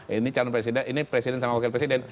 ini calon presiden ini presiden sama wakil presiden